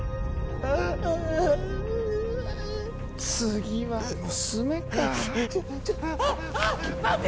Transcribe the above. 次は娘かあっあっ待って！